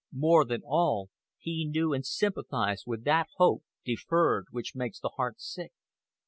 More than all, he knew and sympathized with that hope deferred which makes the heart sick.